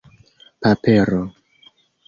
papero